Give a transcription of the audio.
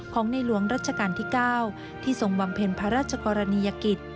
ของในหลวงราชการที่เก้าที่ส่งวังเพลินพระราชกรณียกิจ